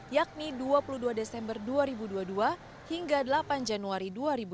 yakni dua puluh dua desember dua ribu dua puluh dua hingga delapan januari dua ribu dua puluh